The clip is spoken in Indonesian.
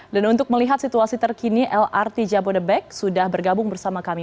dan untuk melihat situasi terkini lrt jabodebek sudah bergabung bersama kami